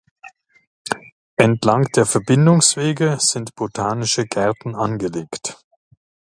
Entlang der Verbindungswege sind botanische Gärten angelegt.